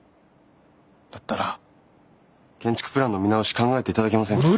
だったら建築プランの見直し考えていただけませんか？